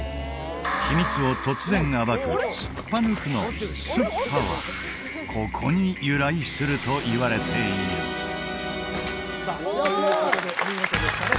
秘密を突然暴く「すっぱ抜く」の「すっぱ」はここに由来するといわれているさあということでお見事でしたね